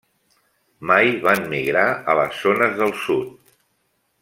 Mai van migrar a les zones del sud.